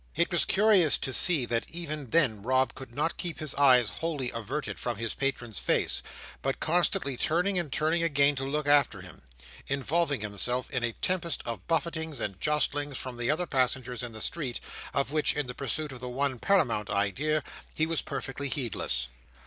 It was curious to see that even then Rob could not keep his eyes wholly averted from his patron's face, but, constantly turning and turning again to look after him, involved himself in a tempest of buffetings and jostlings from the other passengers in the street: of which, in the pursuit of the one paramount idea, he was perfectly heedless.